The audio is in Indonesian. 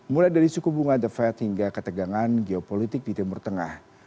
mulai dari suku bunga the fed hingga ketegangan geopolitik di timur tengah